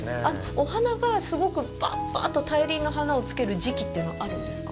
お花がすごく、ぱっぱっと大輪の花をつける時期というのはあるんですか。